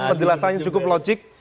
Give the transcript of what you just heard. perjelasannya cukup logik